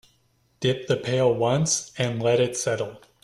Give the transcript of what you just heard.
Dip the pail once and let it settle.